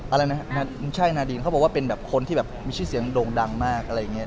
อะไรนะครับใช่นาดีนเขาบอกว่าเป็นแบบคนที่แบบมีชื่อเสียงโด่งดังมากอะไรอย่างเงี้